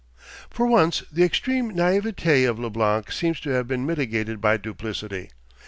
For once the extreme naïveté of Leblanc seems to have been mitigated by duplicity.